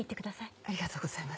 ありがとうございます。